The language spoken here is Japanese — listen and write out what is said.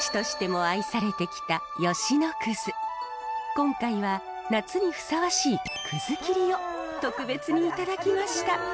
今回は夏にふさわしいくず切りを特別にいただきました。